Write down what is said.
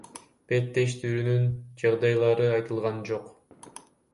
Беттештирүүнүн жагдайлары айтылган жок.